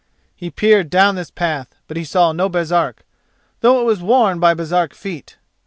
He peered down this path, but he saw no Baresark, though it was worn by Baresark feet.